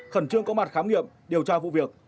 khẩn trương có mặt khám nghiệm điều tra vụ việc